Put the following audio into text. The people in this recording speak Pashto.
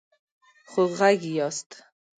خوږغږي ياست